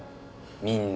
みんな。